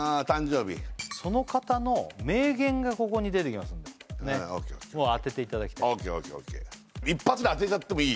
その方の名言がここに出てきますんでねっＯＫＯＫＯＫを当てていただきたいＯＫＯＫＯＫ一発で当てちゃってもいい？